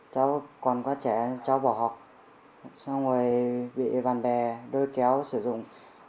cháu còn có trẻ cháu bỏ học xong rồi bị bạn bè đôi kéo sử dụng